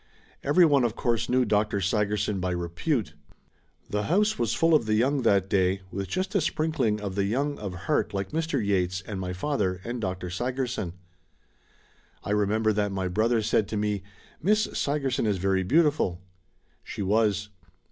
Everyone, of course, knew Dr. Sigerson by repute. The house was full of the young that day, with just a sprinkling of the young of heart like Mr. Yeats and my father and Dr. Sigerson. I remember that my brother s€dd to me, "Miss Sigerson is very beautiful." She was.